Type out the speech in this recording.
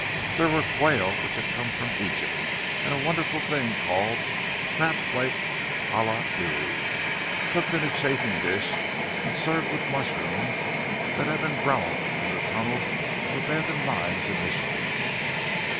There were quail which had come from Egypt, and a wonderful thing called "crab flake à la Dewey," cooked in a chafing dish, and served with mushrooms that had been grown in the tunnels of abandoned mines in Michigan.